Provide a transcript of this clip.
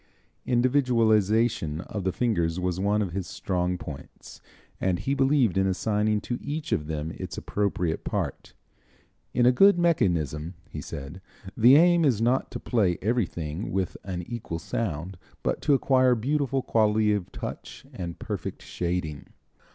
Individualization of the fingers was one of his strong points, and he believed in assigning to each of them its appropriate part. "In a good mechanism," he said, "the aim is not to play everything with an equal sound, but to acquire beautiful quality of touch and perfect shading."